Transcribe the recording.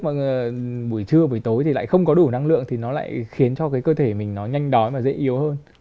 vâng buổi trưa buổi tối thì lại không có đủ năng lượng thì nó lại khiến cho cái cơ thể mình nó nhanh đói và dễ yếu hơn